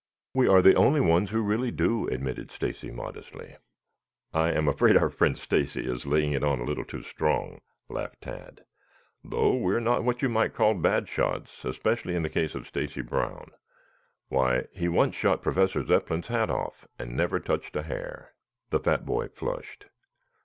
"We are the only ones who really do," admitted Stacy modestly. "I am afraid our friend Stacy is laying it on a little too strong," laughed Tad, "though we are not what you might call bad shots, especially in the case of Stacy Brown. Why he once shot Professor Zepplin's hat off and never touched a hair." The fat boy flushed.